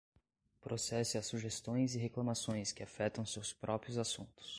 Processe as sugestões e reclamações que afetam seus próprios assuntos.